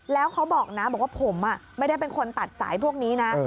แล้วเขาบอกนะบอกว่าผมไม่ได้เป็นคนตัดสายพวกนี้นะ